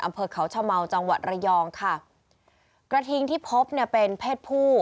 อำเภอเขาชะเมาจังหวัดระยองค่ะกระทิงที่พบเนี่ยเป็นเพศผู้